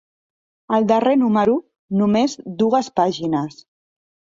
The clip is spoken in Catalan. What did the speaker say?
El darrer número, només dues pàgines.